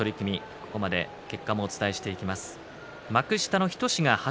ここまで結果をお伝えします。